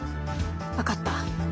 分かった。